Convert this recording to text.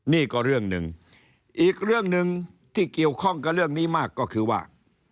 นี่ก็เรื่องหนึ่งอีกเรื่องหนึ่งที่เกี่ยวข้องกับเรื่องนี้มากก็คือว่า